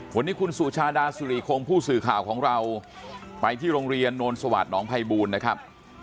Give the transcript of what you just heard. วันนี้คุณสุชาดาสุริคงผู้สื่อข่าวของเราไปที่โรงเรียนโนนสวัสดิหนองภัยบูรณ์นะครับ